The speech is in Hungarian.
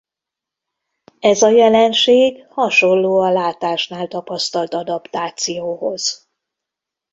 Ez a jelenség hasonló a látásnál tapasztalt adaptációhoz.